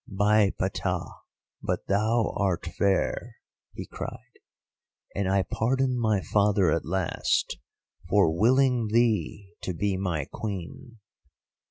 "'By Ptah, but thou art fair,' he cried, 'and I pardon my father at last for willing thee to be my Queen!